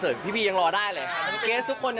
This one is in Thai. เขยับไปอีก๒คนนะ